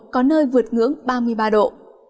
có nơi vượt ngưỡng ba mươi ba độ